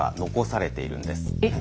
えっ？